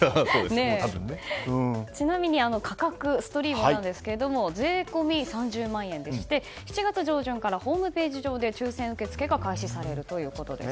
ちなみに、価格ストリーモなんですけど税込み３０万円でして７月上旬からホームページ上で抽選受け付けが開始されるということです。